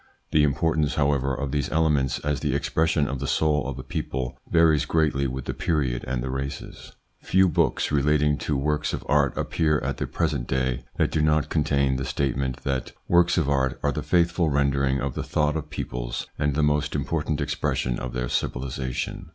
The importance, however, of these elements as the expression of the soul of a people varies greatly with the period and the races. Few books relating to works of art appear at the present day that do not contain the statement that works of art are the faithful rendering of the thought of peoples and the most important expression of their civilisation.